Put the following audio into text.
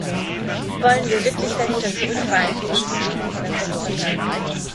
Wollen wir wirklich dahinter zurückfallen, liebe Kollegen von der Volkspartei?